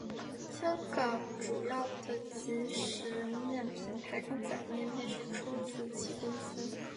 香港主要的即食面品牌公仔面便是出自其公司。